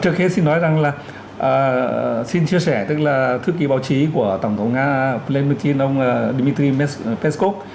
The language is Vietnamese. trước khi xin nói rằng là xin chia sẻ tức là thư ký báo chí của tổng thống nga vladimir putin ông dmitry peskov